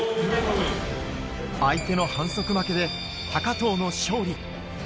相手の反則負けで、高藤の勝利。